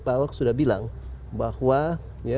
pak ahok sudah bilang bahwa ya